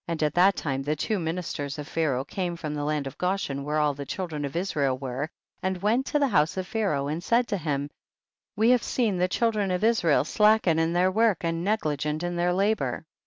At that time the two minis ters of Pharaoh came from the land of Goshen where all the children of Israel were, and went to the house of Pharaoh and said to him, we have seen the children of Israel slacken in their work and negligent in their labor.